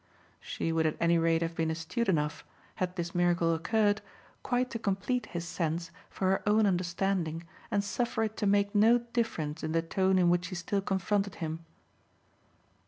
She would at any rate have been astute enough, had this miracle occurred, quite to complete his sense for her own understanding and suffer it to make no difference in the tone in which she still confronted him.